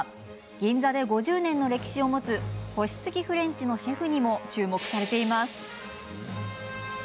銀座で５０年の歴史を持つ星付きフレンチのシェフにも注目されています。